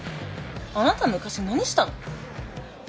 あなた昔何したの？